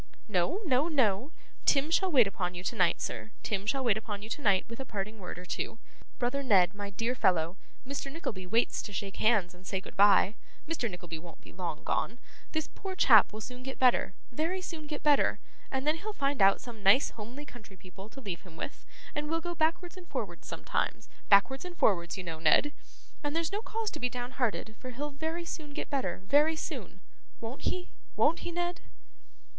No, no, no! Tim shall wait upon you tonight, sir; Tim shall wait upon you tonight with a parting word or two. Brother Ned, my dear fellow, Mr. Nickleby waits to shake hands and say goodbye; Mr. Nickleby won't be long gone; this poor chap will soon get better, very soon get better; and then he'll find out some nice homely country people to leave him with, and will go backwards and forwards sometimes backwards and forwards you know, Ned. And there's no cause to be downhearted, for he'll very soon get better, very soon. Won't he, won't he, Ned?